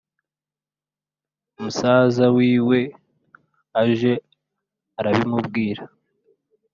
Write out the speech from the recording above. Musaza wiwe aje arabimubwira